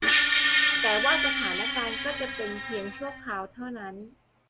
แต่ว่าสถานการณ์ก็จะเป็นเพียงชั่วคราวเท่านั้น